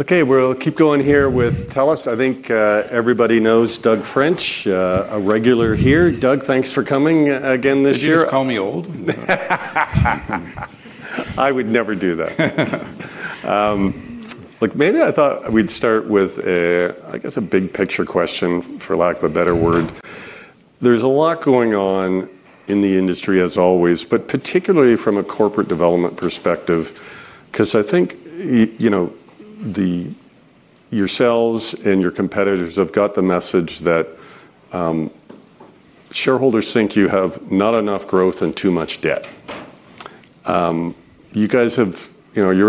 Okay, we'll keep going here with TELUS. I think everybody knows Doug French, a regular here. Doug, thanks for coming again this year. You just call me old. I would never do that. Look, maybe I thought we'd start with, I guess, a big picture question, for lack of a better word. There's a lot going on in the industry, as always, particularly from a corporate development perspective, because I think yourselves and your competitors have got the message that shareholders think you have not enough growth and too much debt. You guys are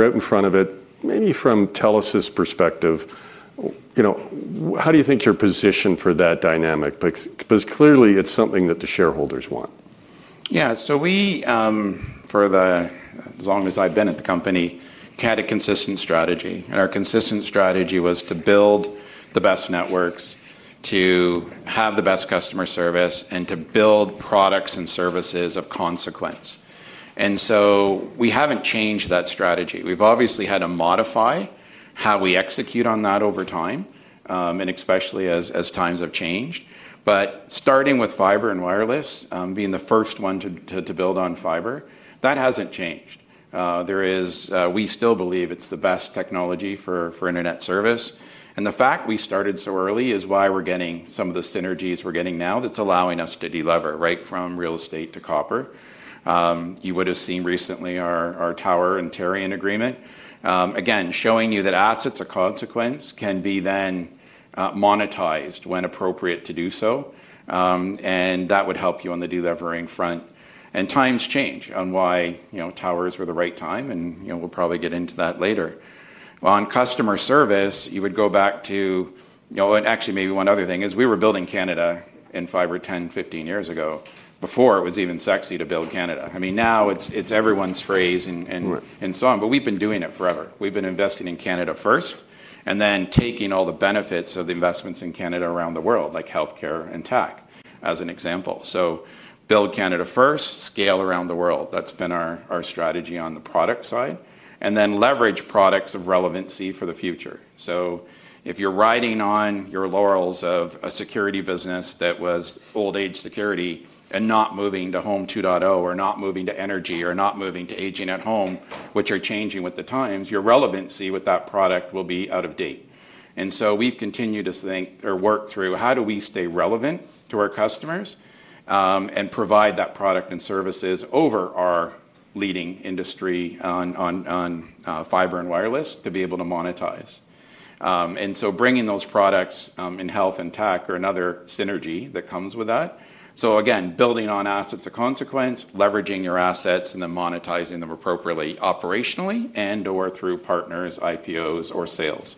out in front of it, maybe from TELUS's perspective. How do you think you're positioned for that dynamic? Clearly, it's something that the shareholders want. Yeah, so we, for as long as I've been at the company, had a consistent strategy. Our consistent strategy was to build the best networks, to have the best customer service, and to build products and services of consequence. We haven't changed that strategy. We've obviously had to modify how we execute on that over time, especially as times have changed. Starting with fiber and wireless, being the first one to build on fiber, that hasn't changed. We still believe it's the best technology for internet service. The fact we started so early is why we're getting some of the synergies we're getting now that's allowing us to deliver right from real estate to copper. You would have seen recently our tower and Terrain agreement, again, showing you that assets of consequence can be then monetized when appropriate to do so. That would help you on the delivering front. Times change on why, you know, towers were the right time, and you know, we'll probably get into that later. On customer service, you would go back to, you know, and actually maybe one other thing is we were building Canada in five or 10, 15 years ago, before it was even sexy to build Canada. I mean, now it's everyone's phrase and so on, but we've been doing it forever. We've been investing in Canada first, and then taking all the benefits of the investments in Canada around the world, like healthcare and tech, as an example. Build Canada first, scale around the world. That's been our strategy on the product side. Then leverage products of relevancy for the future. If you're riding on your laurels of a security business that was old age security and not moving to home 2.0 or not moving to energy or not moving to aging at home, which are changing with the times, your relevancy with that product will be out of date. We've continued to think or work through how do we stay relevant to our customers and provide that product and services over our leading industry on fiber and wireless to be able to monetize. Bringing those products in health and tech are another synergy that comes with that. Again, building on assets of consequence, leveraging your assets, and then monetizing them appropriately operationally and/or through partners, IPOs, or sales.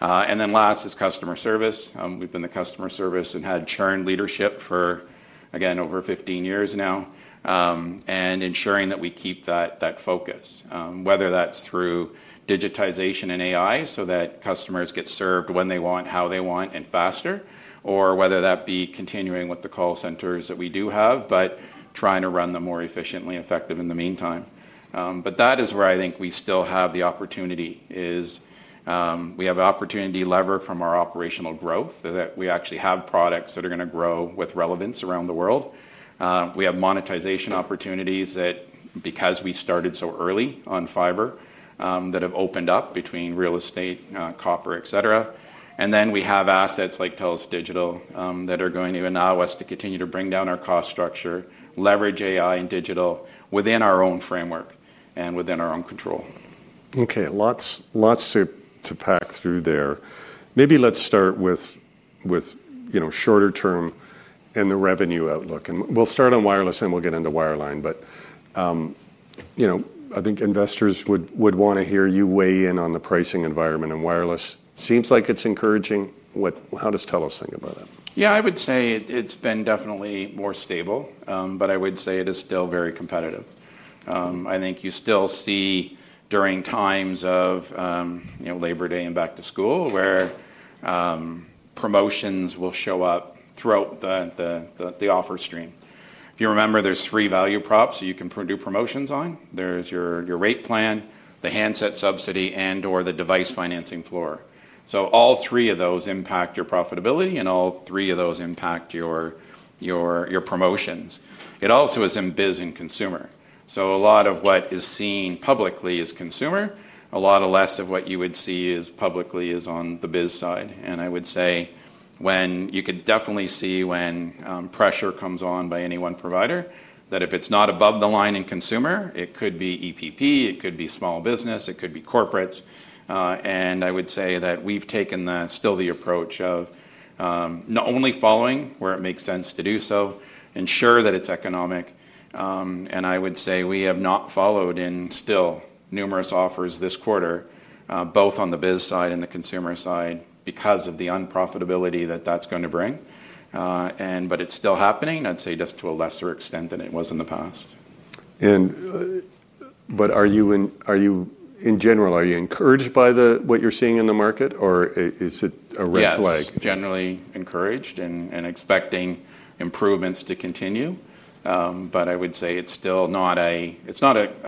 Last is customer service. We've been the customer service and had churn leadership for, again, over 15 years now. Ensuring that we keep that focus, whether that's through digitization and AI so that customers get served when they want, how they want, and faster, or whether that be continuing with the call centers that we do have, but trying to run them more efficiently and effectively in the meantime. That is where I think we still have the opportunity. We have an opportunity lever from our operational growth that we actually have products that are going to grow with relevance around the world. We have monetization opportunities that, because we started so early on fiber, have opened up between real estate, copper, etc. We have assets like TELUS Digital that are going to allow us to continue to bring down our cost structure, leverage AI and digital within our own framework and within our own control. Okay, lots to pack through there. Maybe let's start with, you know, shorter term and the revenue outlook. We'll start on wireless and we'll get into wireline. I think investors would want to hear you weigh in on the pricing environment. Wireless seems like it's encouraging. How does TELUS think about that? Yeah, I would say it's been definitely more stable, but I would say it is still very competitive. I think you still see during times of Labor Day and back to school where promotions will show up throughout the offer stream. If you remember, there's three value props that you can do promotions on. There's your rate plan, the handset subsidy, and/or the device financing floor. All three of those impact your profitability and all three of those impact your promotions. It also is in biz and consumer. A lot of what is seen publicly is consumer. A lot less of what you would see publicly is on the biz side. I would say you can definitely see when pressure comes on by any one provider, that if it's not above the line in consumer, it could be EPP, it could be small business, it could be corporates. I would say that we've taken still the approach of not only following where it makes sense to do so, ensure that it's economic. I would say we have not followed in still numerous offers this quarter, both on the biz side and the consumer side, because of the unprofitability that that's going to bring. It's still happening, I'd say just to a lesser extent than it was in the past. Are you, in general, are you encouraged by what you're seeing in the market, or is it a red flag? Generally encouraged and expecting improvements to continue. I would say it's still not a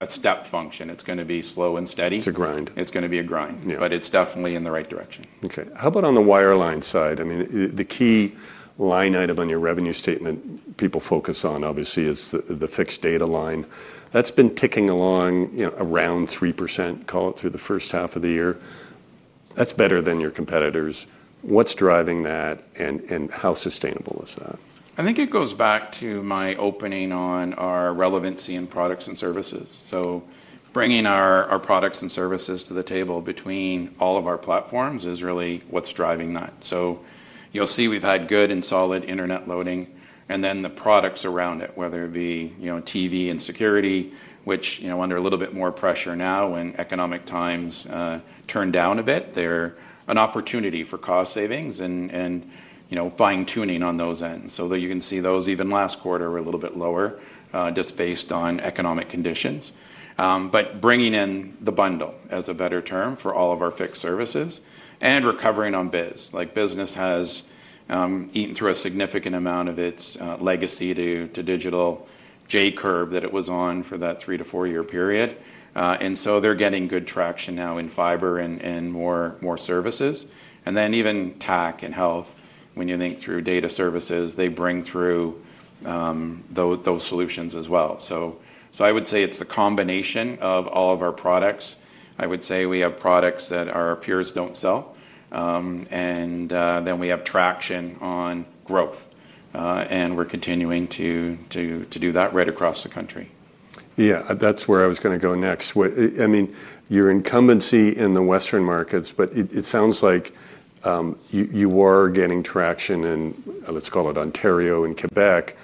step function. It's going to be slow and steady. It's a grind. It's going to be a grind, but it's definitely in the right direction. Okay. How about on the wireline side? I mean, the key line item on your revenue statement people focus on, obviously, is the fixed data line. That's been ticking along around 3% through the first half of the year. That's better than your competitors. What's driving that and how sustainable is that? I think it goes back to my opening on our relevancy in products and services. Bringing our products and services to the table between all of our platforms is really what's driving that. You'll see we've had good and solid internet loading, and then the products around it, whether it be TV and security, which, you know, under a little bit more pressure now when economic times turn down a bit, they're an opportunity for cost savings and fine-tuning on those ends. You can see those even last quarter were a little bit lower, just based on economic conditions. Bringing in the bundle, as a better term, for all of our fixed services and recovering on biz. Business has eaten through a significant amount of its legacy to digital J curve that it was on for that three to four-year period. They're getting good traction now in fiber and more services. Even tech and health, when you think through data services, they bring through those solutions as well. I would say it's the combination of all of our products. I would say we have products that our peers don't sell. We have traction on growth, and we're continuing to do that right across the country. Yeah, that's where I was going to go next. I mean, your incumbency in the Western markets, but it sounds like you are getting traction in, let's call it Ontario and Quebec,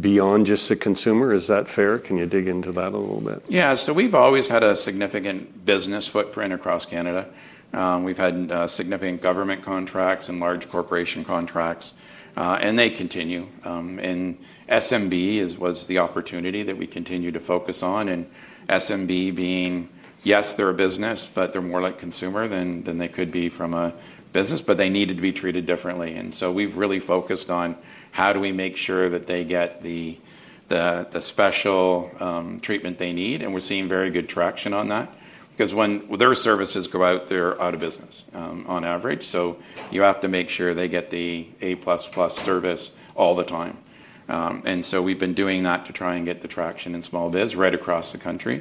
beyond just the consumer. Is that fair? Can you dig into that a little bit? Yeah, we've always had a significant business footprint across Canada. We've had significant government contracts and large corporation contracts. They continue. SMB was the opportunity that we continue to focus on. SMB being, yes, they're a business, but they're more like consumer than they could be from a business. They needed to be treated differently. We've really focused on how do we make sure that they get the special treatment they need. We're seeing very good traction on that because when their services go out, they're out of business on average. You have to make sure they get the A++ service all the time. We've been doing that to try and get the traction in small biz right across the country.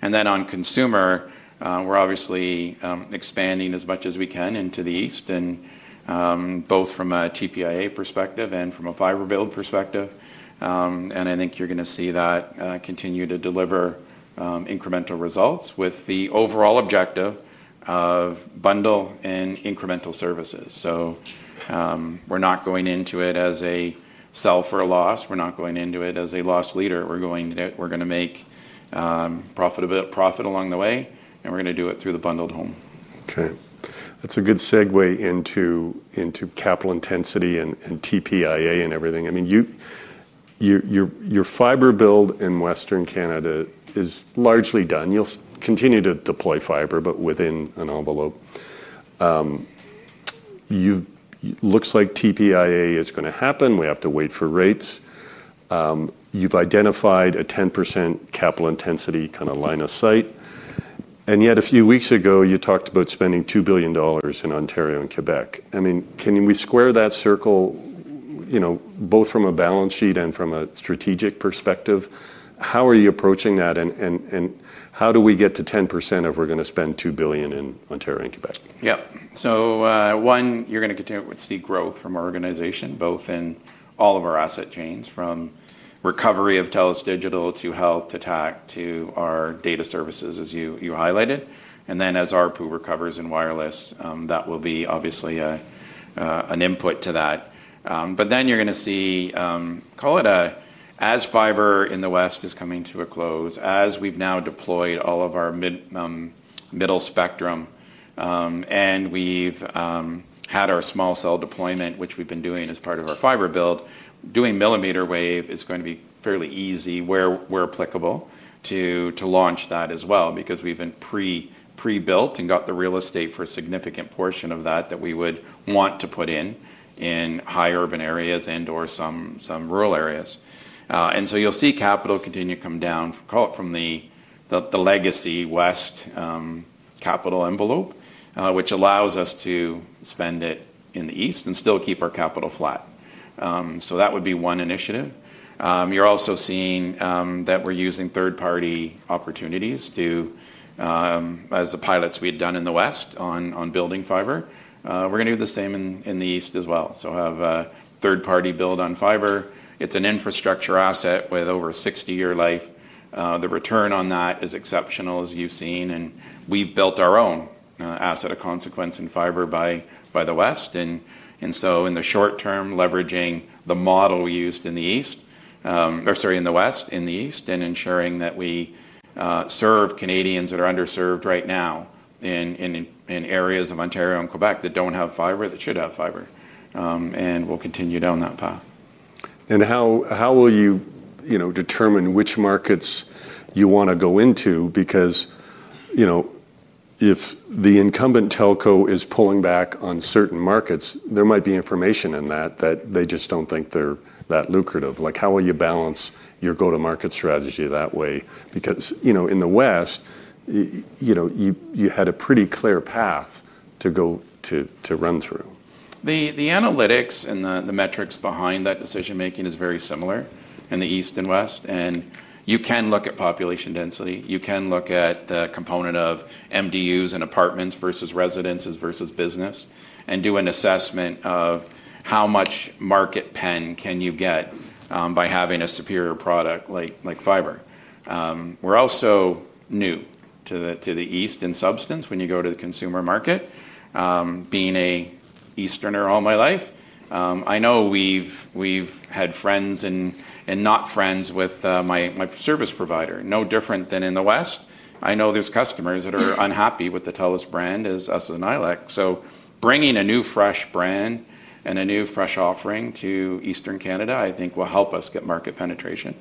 On consumer, we're obviously expanding as much as we can into the East, both from a TPIA perspective and from a fiber build perspective. I think you're going to see that continue to deliver incremental results with the overall objective of bundle and incremental services. We're not going into it as a sell-for-loss, we're not going into it as a loss leader. We're going to make profit along the way, and we're going to do it through the bundled home. Okay. That's a good segue into capital intensity and TPIA and everything. I mean, your fiber build in Western Canada is largely done. You'll continue to deploy fiber, but within an envelope. It looks like TPIA is going to happen. We have to wait for rates. You've identified a 10% capital intensity kind of line of sight. Yet a few weeks ago, you talked about spending 2 billion dollars in Ontario and Quebec. I mean, can we square that circle, you know, both from a balance sheet and from a strategic perspective? How are you approaching that? How do we get to 10% if we're going to spend 2 billion in Ontario and Quebec? Yeah, so one, you're going to continue to see growth from our organization, both in all of our asset chains, from recovery of TELUS Digital to health to tech to our data services, as you highlighted. As ARPU recovers in wireless, that will be obviously an input to that. You're going to see, call it as fiber in the West is coming to a close, as we've now deployed all of our middle spectrum. We've had our small cell deployment, which we've been doing as part of our fiber build. Doing millimeter wave is going to be fairly easy where we're applicable to launch that as well, because we've been pre-built and got the real estate for a significant portion of that that we would want to put in in high urban areas and/or some rural areas. You'll see capital continue to come down, call it from the legacy West capital envelope, which allows us to spend it in the East and still keep our capital flat. That would be one initiative. You're also seeing that we're using third-party opportunities, as the pilots we had done in the West on building fiber. We're going to do the same in the East as well, so have a third-party build on fiber. It's an infrastructure asset with over a 60-year life. The return on that is exceptional, as you've seen. We've built our own asset of consequence in fiber by the West. In the short term, leveraging the model we used in the East, or sorry, in the West, in the East, and ensuring that we serve Canadians that are underserved right now in areas of Ontario and Quebec that don't have fiber, that should have fiber. We'll continue down that path. How will you, you know, determine which markets you want to go into? Because, you know, if the incumbent telco is pulling back on certain markets, there might be information in that that they just don't think they're that lucrative. How will you balance your go-to-market strategy that way? In the West, you know, you had a pretty clear path to go to run through. The analytics and the metrics behind that decision-making are very similar in the East and West. You can look at population density. You can look at the component of MDUs and apartments versus residences versus business and do an assessment of how much market pen can you get by having a superior product like fiber. We're also new to the East in substance when you go to the consumer market. Being an Easterner all my life, I know we've had friends and not friends with my service provider, no different than in the West. I know there's customers that are unhappy with the TELUS brand as an ILEC. Bringing a new fresh brand and a new fresh offering to Eastern Canada, I think, will help us get market penetration.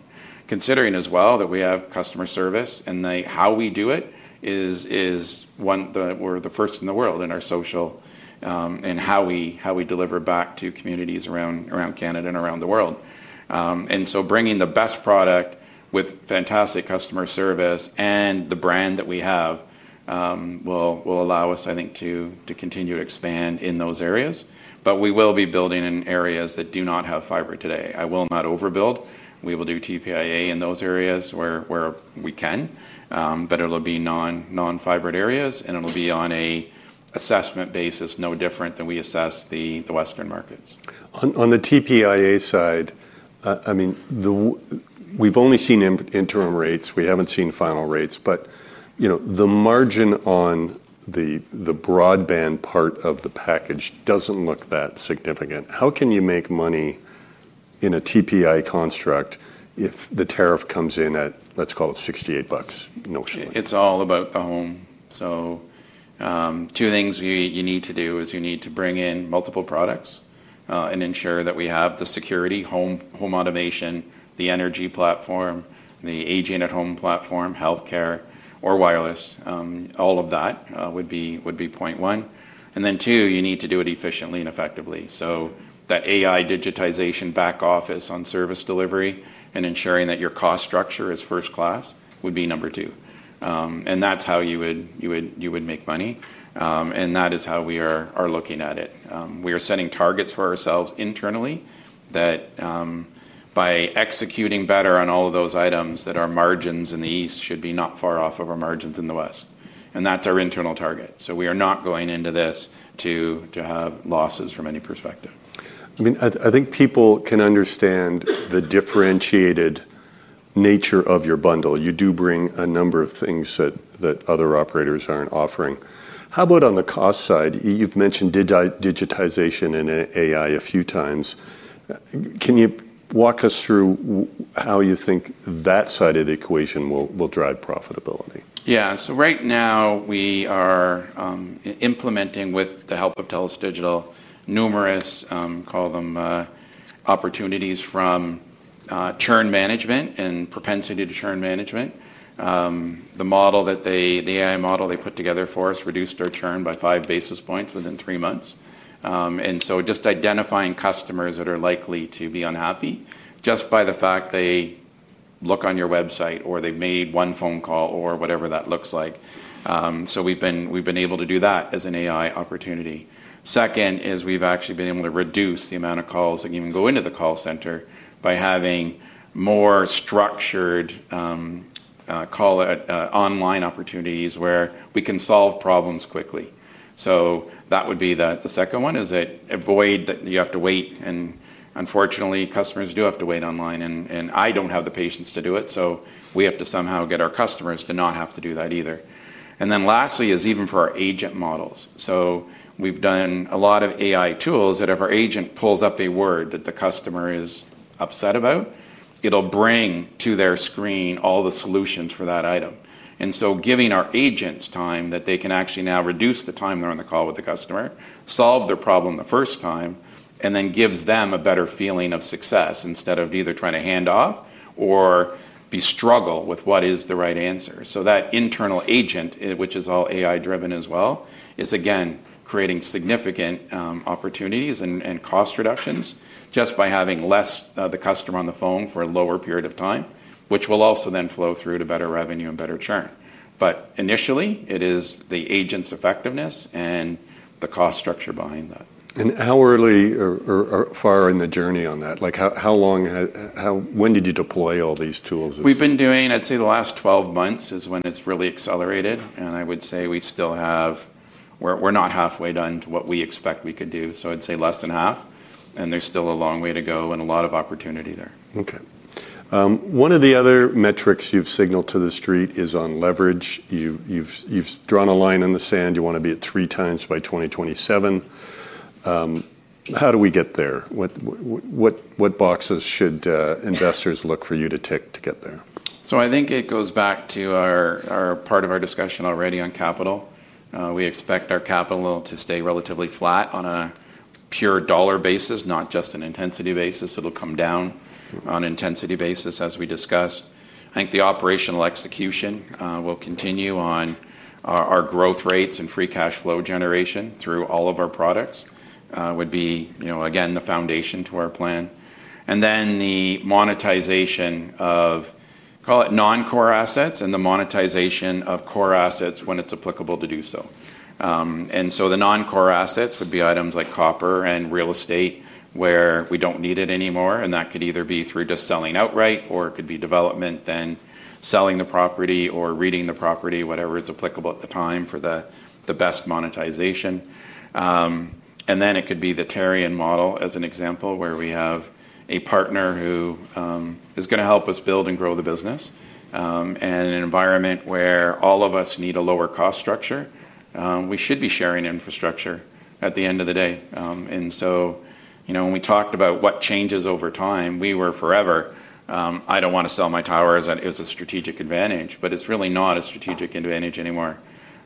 Considering as well that we have customer service and how we do it is one that we're the first in the world in our social and how we deliver back to communities around Canada and around the world. Bringing the best product with fantastic customer service and the brand that we have will allow us, I think, to continue to expand in those areas. We will be building in areas that do not have fiber today. I will not overbuild. We will do TPIA in those areas where we can. It'll be non-fiber areas and it'll be on an assessment basis, no different than we assess the Western markets. On the TPIA side, I mean, we've only seen interim rates. We haven't seen final rates. You know, the margin on the broadband part of the package doesn't look that significant. How can you make money in a TPIA construct if the tariff comes in at, let's call it, 68 bucks? It's all about the home. Two things you need to do are bring in multiple products and ensure that we have the security, home automation, the energy platform, the aging at home platform, healthcare, or wireless. All of that would be point one. You need to do it efficiently and effectively. That AI digitization back office on service delivery and ensuring that your cost structure is first class would be number two. That's how you would make money. That is how we are looking at it. We are setting targets for ourselves internally that by executing better on all of those items, our margins in the East should be not far off of our margins in the West. That's our internal target. We are not going into this to have losses from any perspective. I mean, I think people can understand the differentiated nature of your bundle. You do bring a number of things that other operators aren't offering. How about on the cost side? You've mentioned digitization and AI a few times. Can you walk us through how you think that side of the equation will drive profitability? Yeah, right now we are implementing with the help of TELUS Digital numerous, call them, opportunities from churn management and propensity to churn management. The model that they, the AI model they put together for us reduced our churn by 5 basis points within 3 months. Just identifying customers that are likely to be unhappy just by the fact they look on your website or they've made one phone call or whatever that looks like. We've been able to do that as an AI opportunity. Second is we've actually been able to reduce the amount of calls that can even go into the call center by having more structured, call it, online opportunities where we can solve problems quickly. That would be the second one, that you have to wait. Unfortunately, customers do have to wait online. I don't have the patience to do it. We have to somehow get our customers to not have to do that either. Lastly, even for our agent models, we've done a lot of AI tools that if our agent pulls up a word that the customer is upset about, it'll bring to their screen all the solutions for that item. Giving our agents time that they can actually now reduce the time they're on the call with the customer, solve their problem the first time, and then gives them a better feeling of success instead of either trying to hand off or struggle with what is the right answer. That internal agent, which is all AI-driven as well, is again creating significant opportunities and cost reductions just by having less of the customer on the phone for a lower period of time, which will also then flow through to better revenue and better churn. Initially, it is the agent's effectiveness and the cost structure behind that. How early or far in the journey on that? How long, how when did you deploy all these tools? We've been doing, I'd say the last 12 months is when it's really accelerated. I would say we still have, we're not halfway done to what we expect we could do. I'd say less than half. There's still a long way to go and a lot of opportunity there. Okay. One of the other metrics you've signaled to the street is on leverage. You've drawn a line in the sand. You want to be at three times by 2027. How do we get there? What boxes should investors look for you to tick to get there? I think it goes back to our part of our discussion already on capital. We expect our capital to stay relatively flat on a pure dollar basis, not just an intensity basis. It'll come down on an intensity basis, as we discussed. I think the operational execution will continue on our growth rates and free cash flow generation through all of our products would be, you know, again, the foundation to our plan. Then the monetization of, call it, non-core assets and the monetization of core assets when it's applicable to do so. The non-core assets would be items like copper and real estate where we don't need it anymore. That could either be through just selling outright or it could be development, then selling the property or re-leasing the property, whatever is applicable at the time for the best monetization. It could be the tower agreement model as an example where we have a partner who is going to help us build and grow the business. In an environment where all of us need a lower cost structure, we should be sharing infrastructure at the end of the day. When we talked about what changes over time, we were forever, I don't want to sell my towers as a strategic advantage, but it's really not a strategic advantage anymore.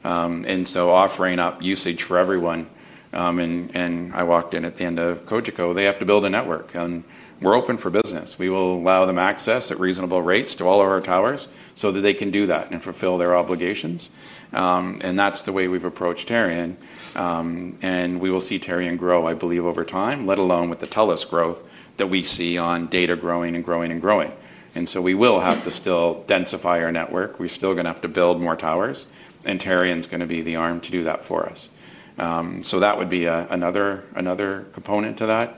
Offering up usage for everyone, and I walked in at the end of Cogeco, they have to build a network and we're open for business. We will allow them access at reasonable rates to all of our towers so that they can do that and fulfill their obligations. That's the way we've approached the tower agreement. We will see the tower agreement grow, I believe, over time, let alone with the TELUS growth that we see on data growing and growing and growing. We will have to still densify our network. We're still going to have to build more towers, and the tower agreement is going to be the arm to do that for us. That would be another component to that.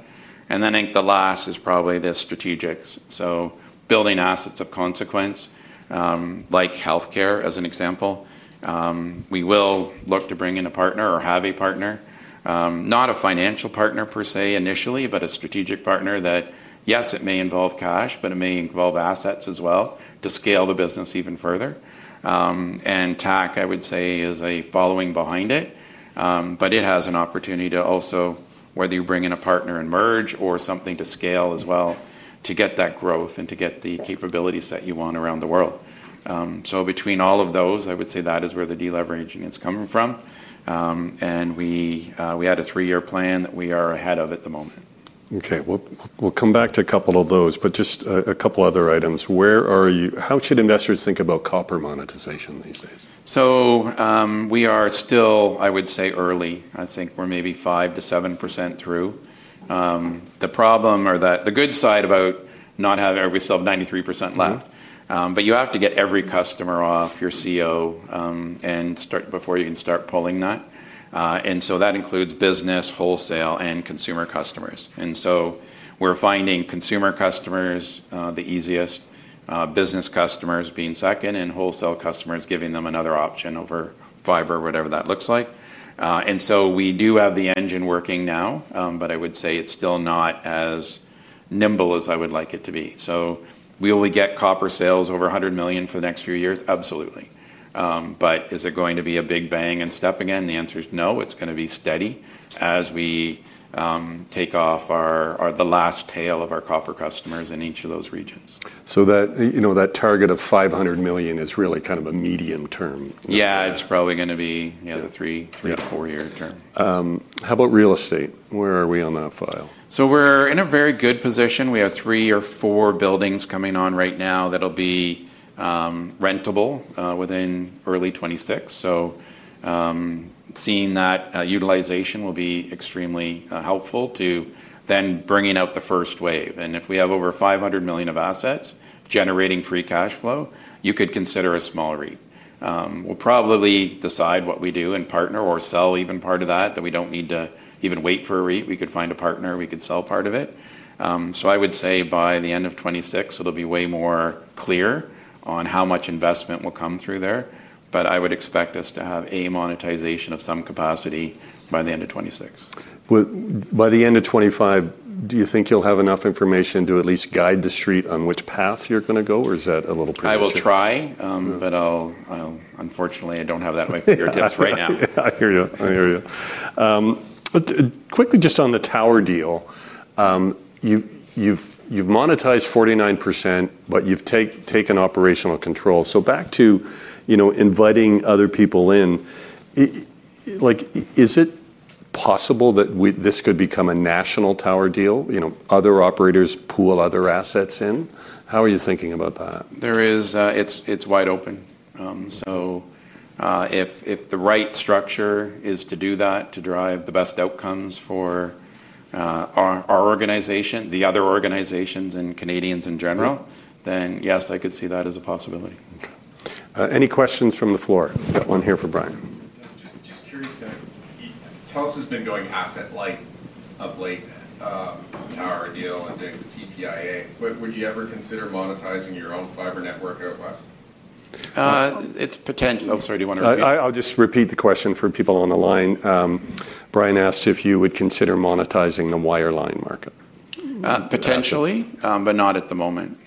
I think the last is probably the strategics. Building assets of consequence, like healthcare as an example, we will look to bring in a partner or have a partner, not a financial partner per se initially, but a strategic partner that, yes, it may involve cash, but it may involve assets as well to scale the business even further. Tech, I would say, is a following behind it, but it has an opportunity to also, whether you bring in a partner and merge or something to scale as well, to get that growth and to get the capability set you want around the world. Between all of those, I would say that is where the deleveraging is coming from. We had a three-year plan that we are ahead of at the moment. Okay. We'll come back to a couple of those, but just a couple other items. How should investors think about copper monetization these days? We are still, I would say, early. I think we're maybe 5%-7% through. The problem or the good side about not having every sell 93% left, but you have to get every customer off your CO and start before you can start pulling that. That includes business, wholesale, and consumer customers. We're finding consumer customers the easiest, business customers being second, and wholesale customers giving them another option over fiber, whatever that looks like. We do have the engine working now, but I would say it's still not as nimble as I would like it to be. Will we get copper sales over 100 million for the next few years? Absolutely. Is it going to be a big bang and step again? The answer is no. It's going to be steady as we take off the last tail of our copper customers in each of those regions. That target of 500 million is really kind of a medium term. Yeah, it's probably going to be a three to four-year term. How about real estate? Where are we on that file? We're in a very good position. We have three or four buildings coming on right now that'll be rentable within early 2026. Seeing that utilization will be extremely helpful to then bringing out the first wave. If we have over 500 million of assets generating free cash flow, you could consider a small REIT. We'll probably decide what we do and partner or sell even part of that, that we don't need to even wait for a REIT. We could find a partner and we could sell part of it. I would say by the end of 2026, it'll be way more clear on how much investment will come through there. I would expect us to have a monetization of some capacity by the end of 2026. By the end of 2025, do you think you'll have enough information to at least guide the street on which path you're going to go, or is that a little premature? I will try, but unfortunately, I don't have that at my fingertips right now. I hear you. Quickly, just on the tower agreement, you've monetized 49%, but you've taken operational control. Back to inviting other people in, is it possible that this could become a national tower agreement? Other operators pool other assets in? How are you thinking about that? It's wide open. If the right structure is to do that, to drive the best outcomes for our organization, the other organizations, and Canadians in general, then yes, I could see that as a possibility. Any questions from the floor? We've got one here for Brian. Just curious, Doug. TELUS has been going asset-light of late. We have our deal on the TPIA. Would you ever consider monetizing your own fiber network out west? It's potential. Sorry, do you want to repeat? I'll just repeat the question for people on the line. Brian asked if you would consider monetizing the wireline market. Potentially, but not at the moment.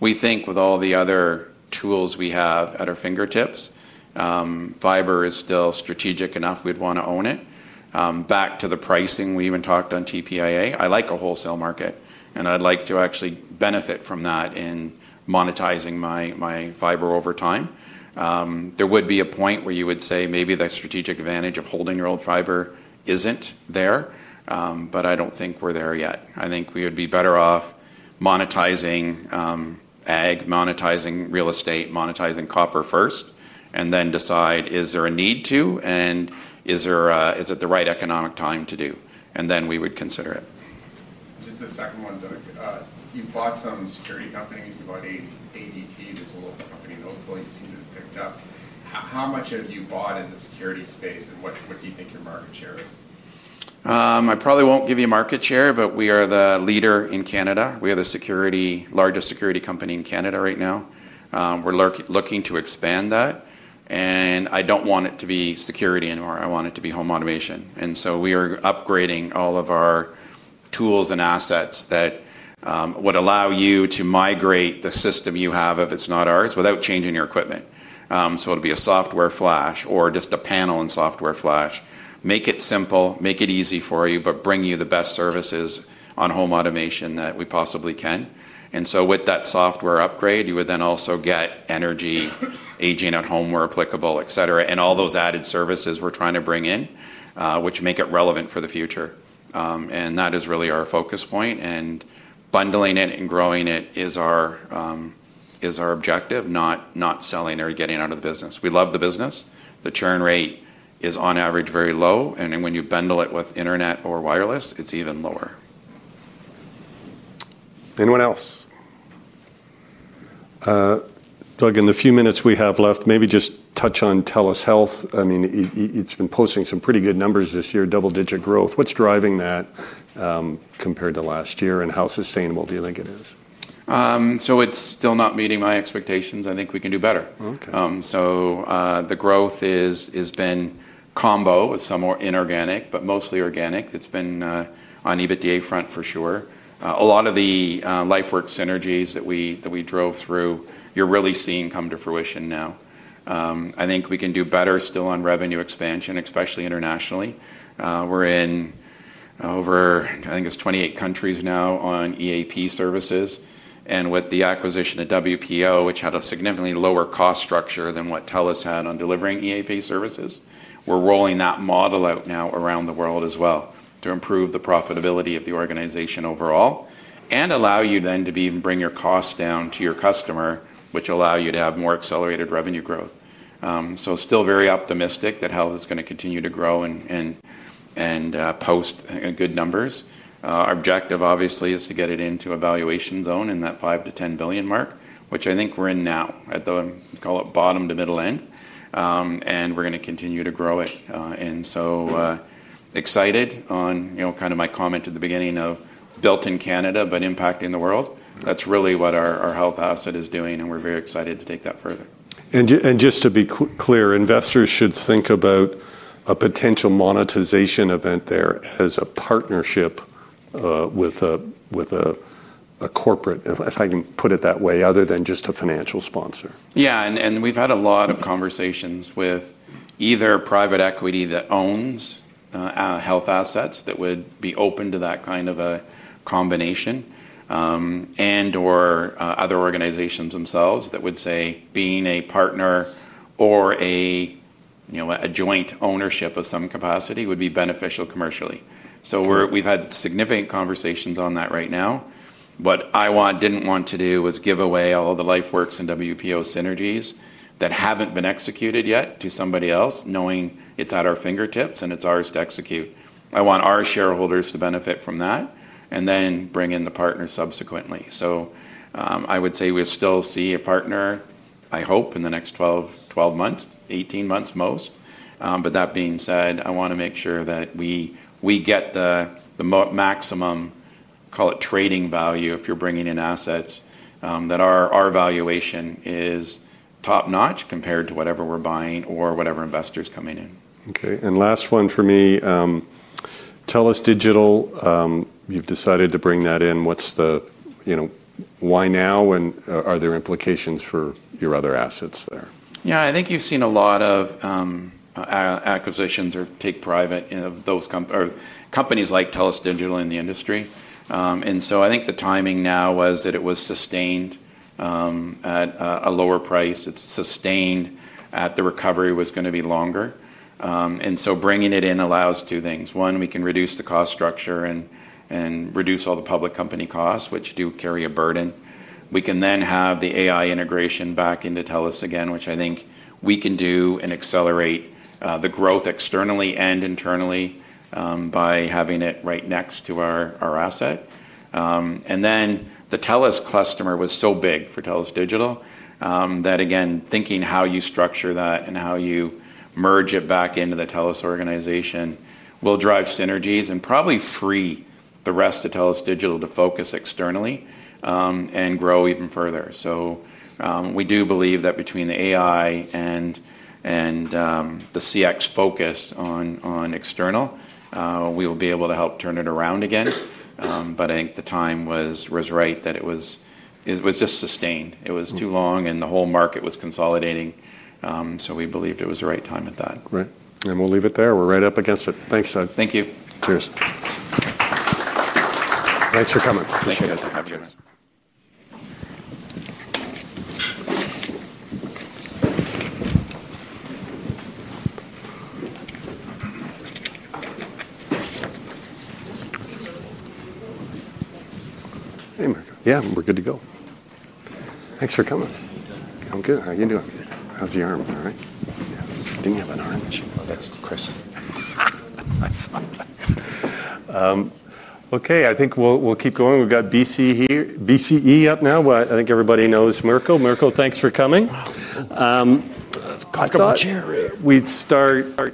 We think with all the other tools we have at our fingertips, fiber is still strategic enough we'd want to own it. Back to the pricing we even talked on TPIA, I like a wholesale market. I'd like to actually benefit from that in monetizing my fiber over time. There would be a point where you would say maybe the strategic advantage of holding your old fiber isn't there. I don't think we're there yet. I think we would be better off monetizing ag, monetizing real estate, monetizing copper first, and then decide is there a need to, and is it the right economic time to do? We would consider it. Just a second one, Doug. You've bought some security companies. You bought a baby team to pull up the company. Hopefully, you see you've picked up. How much have you bought in the security space? What do you think? I probably won't give you market share, but we are the leader in Canada. We are the largest security company in Canada right now. We're looking to expand that. I don't want it to be security anymore. I want it to be home automation. We are upgrading all of our tools and assets that would allow you to migrate the system you have, if it's not ours, without changing your equipment. It'll be a software flash or just a panel and software flash. Make it simple, make it easy for you, but bring you the best services on home automation that we possibly can. With that software upgrade, you would then also get energy aging at home where applicable, etc. All those added services we're trying to bring in, which make it relevant for the future. That is really our focus point. Bundling it and growing it is our objective, not selling or getting out of the business. We love the business. The churn rate is on average very low. When you bundle it with internet or wireless, it's even lower. Anyone else? Doug, in the few minutes we have left, maybe just touch on TELUS Health. I mean, it's been posting some pretty good numbers this year, double-digit growth. What's driving that compared to last year, and how sustainable do you think it is? It's still not meeting my expectations. I think we can do better. The growth has been combo with some more inorganic, but mostly organic. It's been on EBITDA front for sure. A lot of the LifeWorks synergies that we drove through, you're really seeing come to fruition now. I think we can do better still on revenue expansion, especially internationally. We're in over, I think it's 28 countries now on EAP services. With the acquisition of Workplace Options, which had a significantly lower cost structure than what TELUS had on delivering EAP services, we're rolling that model out now around the world as well to improve the profitability of the organization overall and allow you then to even bring your cost down to your customer, which allows you to have more accelerated revenue growth. I'm still very optimistic that health is going to continue to grow and post good numbers. Our objective, obviously, is to get it into a valuation zone in that 5 billion-10 billion mark, which I think we're in now at the, call it, bottom to middle end. We're going to continue to grow it. I'm excited on, you know, kind of my comment at the beginning of built in Canada, but impacting the world. That's really what our health asset is doing, and we're very excited to take that further. To be clear, investors should think about a potential monetization event there as a partnership with a corporate, if I can put it that way, other than just a financial sponsor. Yeah, and we've had a lot of conversations with either private equity that owns health assets that would be open to that kind of a combination and/or other organizations themselves that would say being a partner or a joint ownership of some capacity would be beneficial commercially. We've had significant conversations on that right now. What I didn't want to do was give away all of the LifeWorks and WPO synergies that haven't been executed yet to somebody else, knowing it's at our fingertips and it's ours to execute. I want our shareholders to benefit from that and then bring in the partner subsequently. I would say we'll still see a partner, I hope, in the next 12 months, 18 months most. That being said, I want to make sure that we get the maximum, call it, trading value if you're bringing in assets, that our valuation is top-notch compared to whatever we're buying or whatever investors are coming in. Okay, and last one for me. TELUS Digital, you've decided to bring that in. What's the, you know, why now, and are there implications for your other assets there? Yeah, I think you've seen a lot of acquisitions or take private of those companies or companies like TELUS Digital in the industry. I think the timing now was that it was sustained at a lower price. It's sustained at the recovery was going to be longer. Bringing it in allows two things. One, we can reduce the cost structure and reduce all the public company costs, which do carry a burden. We can then have the AI integration back into TELUS again, which I think we can do and accelerate the growth externally and internally by having it right next to our asset. The TELUS customer was so big for TELUS Digital that, again, thinking how you structure that and how you merge it back into the TELUS organization will drive synergies and probably free the rest of TELUS Digital to focus externally and grow even further. We do believe that between the AI and the CX focus on external, we will be able to help turn it around again. I think the time was right that it was just sustained. It was too long and the whole market was consolidating. We believed it was the right time at that. Right. We'll leave it there. We're right up against it. Thanks, Doug. Thank you. Cheers. Thanks for coming. Appreciate it. Hey, Mark. Yeah, we're good to go. Thanks for coming. I'm good. How are you doing? How's the arm? Ding is on the arm. Oh, that's Chris. Okay, I think we'll keep going. We've got BC here, BCE up now. I think everybody knows Mirko. Mirko, thanks for coming. Let's talk about. We'd start.